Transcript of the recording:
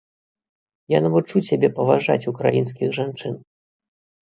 Я навучу цябе паважаць украінскіх жанчын.